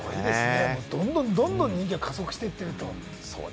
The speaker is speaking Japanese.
どんどん人気が加速していっていると。